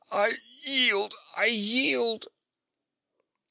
"I yield! I yield!"